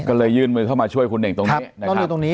ก็เลยยื่นมือเข้ามาช่วยคุณเน่งตรงนี้นะครับ